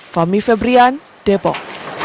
fami febrian depok